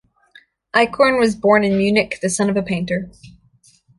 Eichhorn was born in Munich, the son of a painter.